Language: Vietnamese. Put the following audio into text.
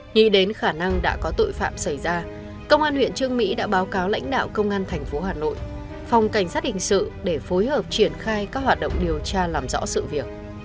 nghĩ đến khả năng đã có tội phạm xảy ra công an huyện trương mỹ đã báo cáo lãnh đạo công an thành phố hà nội phòng cảnh sát hình sự để phối hợp triển khai các hoạt động điều tra làm rõ sự việc